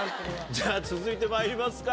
じゃ続いてまいりますか。